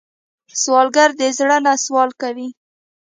سوالګر د زړه نه سوال کوي